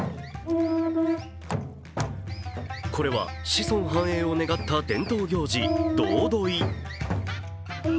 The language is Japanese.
これは、子孫繁栄を願った伝統行事ドウドイ。